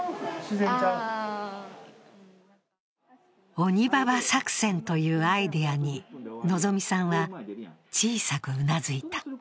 鬼ばば作戦というアイデアに希さんは小さくうなずいた。